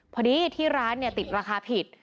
พอดีที่ร้านติดราคาผิด